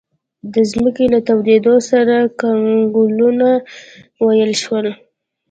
د ځمکې له تودېدو سره کنګلونه ویلې شول.